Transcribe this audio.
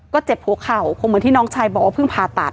ก็เจ็บหัวเข่าคงเหมือนที่น้องชายบอกว่าเพิ่งผ่าตัด